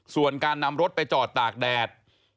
ส่วนการนำรถไปจอดตากแดด